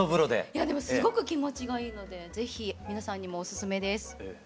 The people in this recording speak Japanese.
いやでもすごく気持ちがいいので是非皆さんにもオススメです。